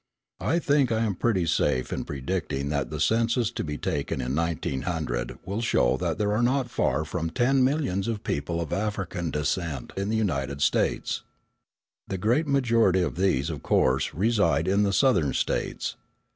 I think I am pretty safe in predicting that the census to be taken in 1900 will show that there are not far from ten millions of people of African descent in the United States. The great majority of these, of course, reside in the Southern States.